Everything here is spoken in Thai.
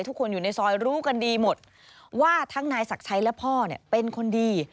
ทุกคนอยู่ในซอยรู้กันดีหมดว่าทั้งนายศักดิ์ชัยและพ่อเป็นคนดี